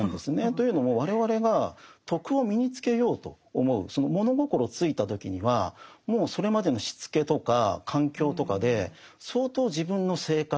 というのも我々が「徳」を身につけようと思うその物心ついた時にはもうそれまでのしつけとか環境とかで相当自分の性格